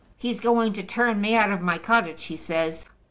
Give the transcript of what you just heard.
He's going to turn me out of my cottage, he says."